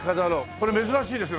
これ珍しいですね